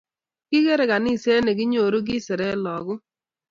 Kikere Kaniset nekinyoru kiseret lakok